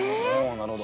なるほど。